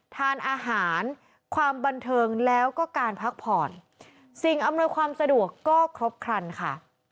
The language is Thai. ทานอาหารความบันเทิงแล้วก็การพักผ่อนสิ่งอำนวยความสะดวกก็ครบครันค่ะ